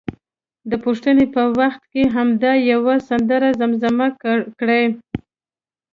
د پوښتنې په وخت کې همدا یوه سندره زمزمه کړي.